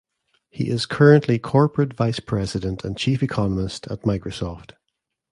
He is currently Corporate Vice President and Chief Economist at Microsoft.